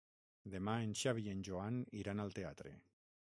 Demà en Xavi i en Joan iran al teatre.